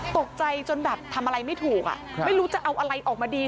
ตกใจจนแบบทำอะไรไม่ถูกไม่รู้จะเอาอะไรออกมาดี